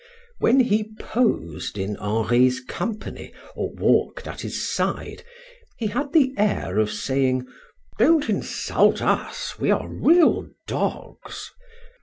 When he posed in Henri's company or walked at his side, he had the air of saying: "Don't insult us, we are real dogs."